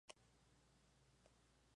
En donde R es el grupo alquilo.